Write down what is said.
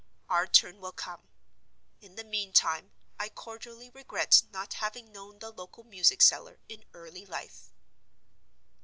Our turn will come. In the meantime, I cordially regret not having known the local music seller in early life.